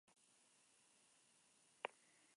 George Carlin y Martin Mull fueron las estrellas invitadas.